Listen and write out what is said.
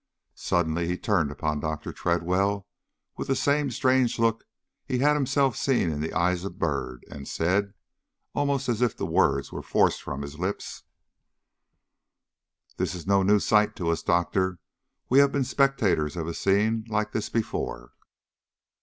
Suddenly he turned upon Dr. Tredwell with the same strange look he had himself seen in the eyes of Byrd, and said, almost as if the words were forced from his lips: "This is no new sight to us, doctor; we have been spectators of a scene like this before."